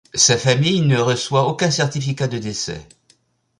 Sa famille ne reçoit aucun certificat de décès.